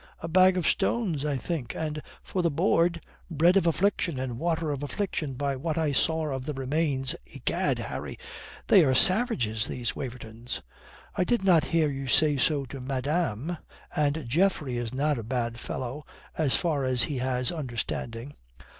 "A bag of stones, I think. And for the board bread of affliction and water of affliction by what I saw of the remains. Egad, Harry, they are savages, these Wavertons." "I did not hear you say so to madame. And Geoffrey is not a bad fellow as far as he has understanding."